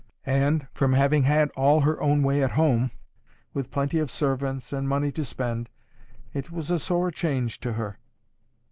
And, from having had all her own way at home, with plenty of servants, and money to spend, it was a sore change to her.